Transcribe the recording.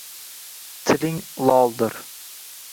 Tiling loldir